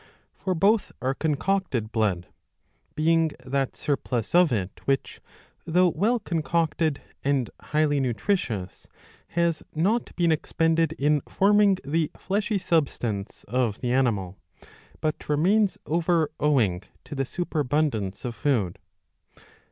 ^ For both are concocted blood ; being that surplus of it, which, though well concocted and highly nutritious, has not been expended in forming the fleshy substance of the animal, but remains over owing to the superabundance of food.